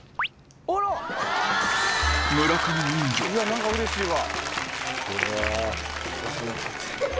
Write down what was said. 何かうれしいわ。